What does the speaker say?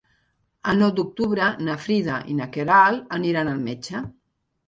El nou d'octubre na Frida i na Queralt aniran al metge.